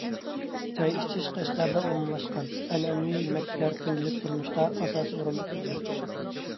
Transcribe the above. چاي ئىچىش قەشقەردە ئومۇملاشقان. ئەنئەنىۋى يېمەكلىكلەر كۈندىلىك تۇرمۇشتا ئاساسىي ئورۇندا تۇرىدۇ.